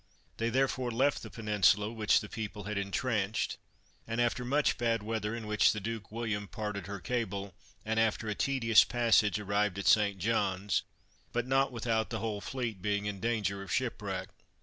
They therefore left the peninsula, which the people had entrenched, and, after much bad weather, in which the Duke William parted her cable, and after a tedious passage, arrived at St. John's; but not without the whole fleet being in danger of shipwreck.